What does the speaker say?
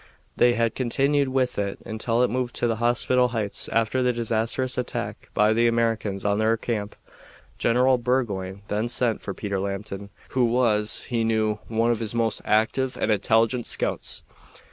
They had continued with it until it moved to the hospital heights after the disastrous attack by the Americans on their camp. General Burgoyne then sent for Peter Lambton, who was, he knew, one of his most active and intelligent scouts.